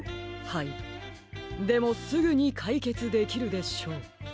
はいでもすぐにかいけつできるでしょう。